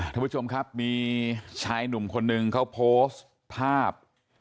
ท่านผู้ชมครับมีชายหนุ่มคนนึงเขาโพสต์ภาพ